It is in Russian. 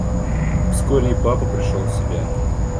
Вскоре и папа пришел в себя.